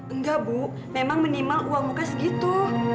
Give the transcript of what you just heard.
enggak bu memang minimal uang muka segitu